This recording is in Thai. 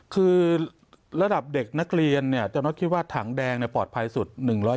คือระดับเด็กนักเรียนจาน็อตคิดว่าถังแดงปลอดภัยสุด